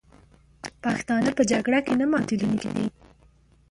پښتانه په جګړه کې نه ماتېدونکي دي.